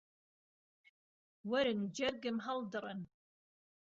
وەرن جەرگم هەڵدڕن